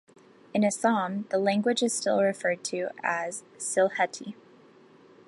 In Assam, the language is still referred to as "Sylheti".